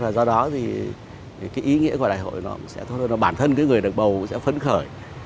do đó ý nghĩa của đại hội là bản thân người được bầu sẽ phấn khởi